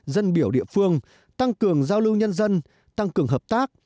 dân biểu địa phương tăng cường giao lưu nhân dân tăng cường hợp tác